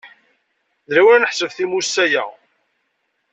D lawan ad neḥbes timussa-a.